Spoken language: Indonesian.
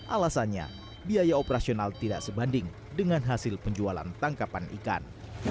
alasannya biaya operasional tidak sebanding dengan hasil penjualan tangkapan ikan